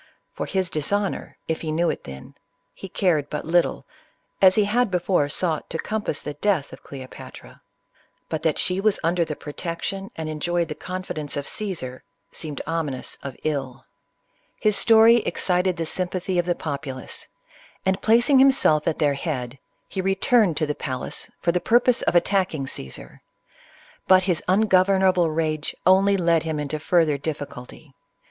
For his dishonor, if he knew it then, he ca^ed but little, as he had before sought to compass the death of Cleopatra ; but that she was under the protection, and enjoyed the confidence of Caesar, seemed ominous of ill 24 CLEOPATRA. His story excited the sympathy of the populace, and placing himself at their head, he returned to the palace for the purpose of attacking Caesar. But his ungovern able rage only led him into further difficulty.